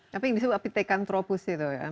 tapi yang disebut apitekantropus itu ya